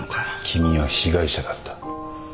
君は被害者だった。